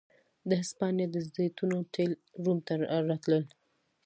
د هسپانیا د زیتونو تېل روم ته راتلل